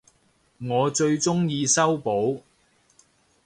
我最鍾意修補